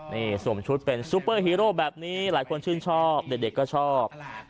นี่สวมชุดเป็นซูเปอร์ฮีโร่แบบนี้หลายคนชื่นชอบเด็กก็ชอบ